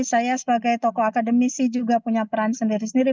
saya sebagai tokoh akademisi juga punya peran sendiri sendiri